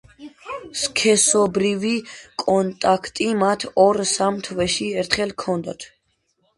სქესობრივი კონტაქტი მათ ორ-სამ თვეში ერთხელ ჰქონდათ.